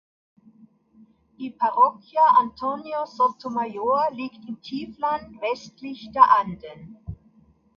Die Parroquia Antonio Sotomayor liegt im Tiefland westlich der Anden.